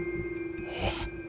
えっ？